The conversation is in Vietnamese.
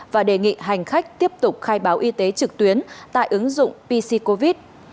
và đề nghị hành khách tiếp tục khai báo y tế trực tuyến tại ứng dụng pc covid